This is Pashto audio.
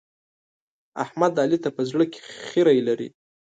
احمد؛ علي ته په زړه کې خيری لري.